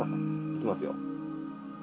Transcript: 行きますよ。